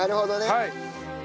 はい。